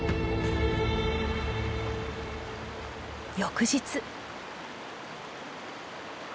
翌日。